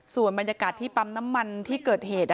ส่วนบรรยากาศที่ปั๊มน้ำมันที่เกิดเหตุ